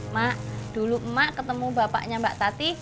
mak dulu emak ketemu bapaknya mbak tati